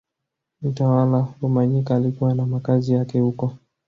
Mtawala Rumanyika alikuwa na makazi yake huko